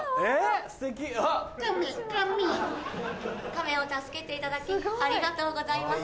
カメを助けていただきありがとうございます。